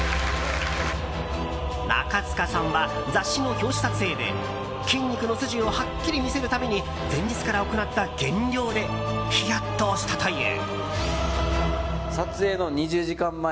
中務さんは、雑誌の表紙撮影で筋肉の筋をはっきり見せるために前日から行った減量でヒヤッとしたという。